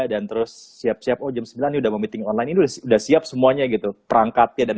terus siap siap oh jam sembilan udah meeting online ini udah siap semuanya gitu perangkatnya dan